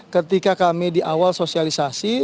ketika kami di awal sosialisasi